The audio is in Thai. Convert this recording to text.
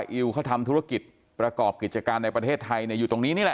อิวเขาทำธุรกิจประกอบกิจการในประเทศไทยอยู่ตรงนี้นี่แหละ